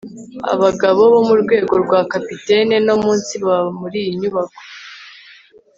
abagabo bo mu rwego rwa capitaine no munsi baba muri iyi nyubako